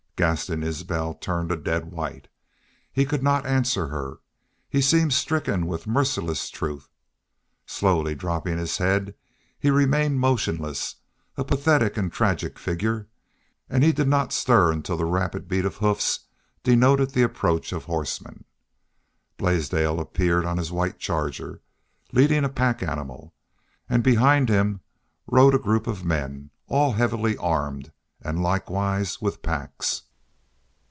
Gaston Isbel turned a dead white. He could not answer her. He seemed stricken with merciless truth. Slowly dropping his head, he remained motionless, a pathetic and tragic figure; and he did not stir until the rapid beat of hoofs denoted the approach of horsemen. Blaisdell appeared on his white charger, leading a pack animal. And behind rode a group of men, all heavily armed, and likewise with packs.